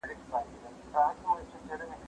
زه وخت نه تېرووم!.